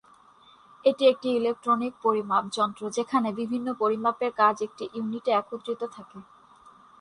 এটি একটি ইলেকট্রনিক পরিমাপ যন্ত্র, যেখানে বিভিন্ন পরিমাপের কাজ একটি ইউনিটে একত্রিত থাকে।